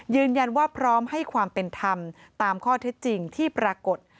พร้อมให้ความเป็นธรรมตามข้อเท็จจริงที่ปรากฏ